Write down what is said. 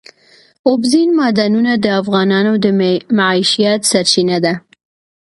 اوبزین معدنونه د افغانانو د معیشت سرچینه ده.